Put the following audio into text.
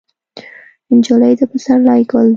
نجلۍ د پسرلي ګل ده.